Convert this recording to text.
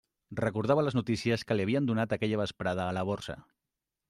Recordava les notícies que li havien donat aquella vesprada a la Borsa.